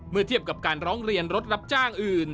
เมื่อเทียบกับการร้องเรียนรถรับจ้างอื่น